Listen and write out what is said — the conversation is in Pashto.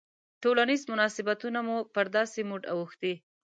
ټولنیز مناسبتونه مو پر داسې موډ اوښتي.